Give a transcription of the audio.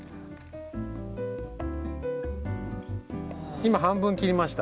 今半分切りました。